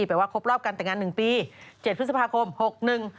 แปลว่าครบรอบการแต่งงาน๑ปี๗พฤษภาคม๖นึง